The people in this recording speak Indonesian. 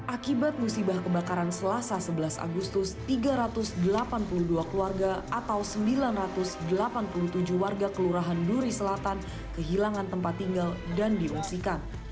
akibat musibah kebakaran selasa sebelas agustus tiga ratus delapan puluh dua keluarga atau sembilan ratus delapan puluh tujuh warga kelurahan duri selatan kehilangan tempat tinggal dan diungsikan